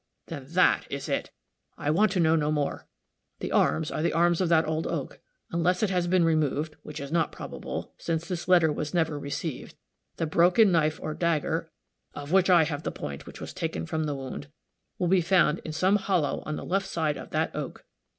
"Then that is it. I want to know no more. The arms are the arms of that old oak. Unless it has been removed, which is not probable, since this letter was never received, the broken knife or dagger (of which I have the point which was taken from the wound), will be found in some hollow on the left side of that oak."